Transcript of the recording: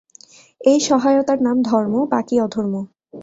এই সহায়তার নাম ধর্ম, বাকী অধর্ম।